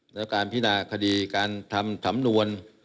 แล้วการพินาคดีการทำสำนวน